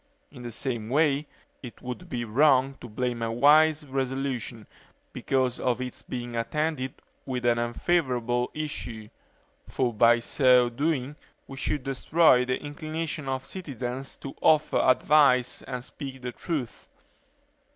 In the same way, it would be wrong to blame a wise resolution, because if its being attended with an unfavorable issue; for by so doing, we should destroy the inclination of citizens to offer advice and speak the truth.